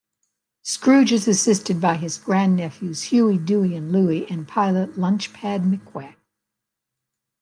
Scrooge is assisted by his grandnephews Huey, Dewey and Louie and pilot Launchpad McQuack.